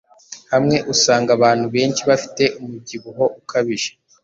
hamwe usanga abantu benshi bafite umubyibuho ukabije